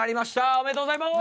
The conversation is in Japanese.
おめでとうございます！